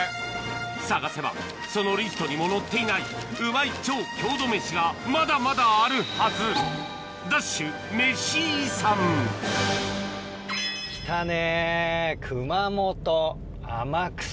探せばそのリストにも載っていないうまい超郷土メシがまだまだあるはず来たね熊本・天草。